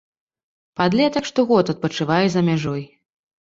Падлетак штогод адпачывае за мяжой.